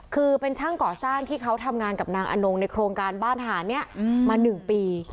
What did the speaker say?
คือเป็นช่างก่อสร้างที่เขาทำงานกับนางอนงในโครงการบ้านฐานนี้มา๑ปี